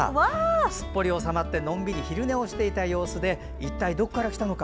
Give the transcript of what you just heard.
すっぽり収まってのんびり昼寝をしていた様子で一体どこから来たのか。